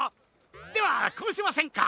ではこうしませんか？